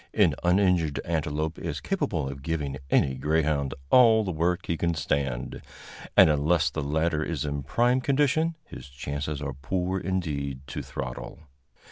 An uninjured antelope is capable of giving any greyhound all the work he can stand, and unless the latter is in prime condition his chances are poor indeed to throttle.